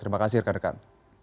terima kasih rekan rekan